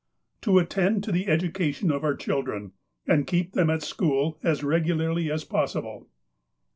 To attend to the education of our children, and keep them at school as regularly as possible.